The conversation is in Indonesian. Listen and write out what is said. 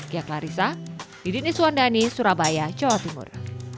kiyak larissa didi niswandani surabaya jawa timur